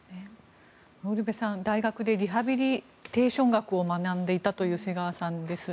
ウルヴェさん、大学でリハビリテーション学を学んでいたという瀬川さんです。